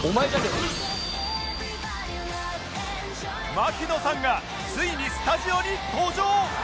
槙野さんがついにスタジオに登場！